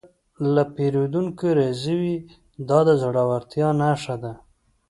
که پیرودونکی راضي وي، دا د زړورتیا نښه ده.